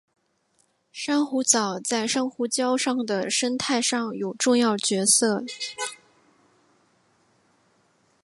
珊瑚藻在珊瑚礁的生态上有重要角色。